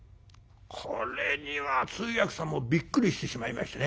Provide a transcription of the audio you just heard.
これには通訳さんもびっくりしてしまいましてね。